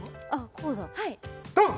こうだドン！